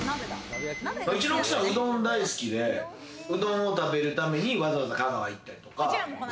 うちの奥さん、うどん大好きで、うどんを食べるためにわざわざ香川に行ったりとか。